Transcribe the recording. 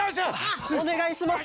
おねがいします！